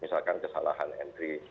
misalkan kesalahan entry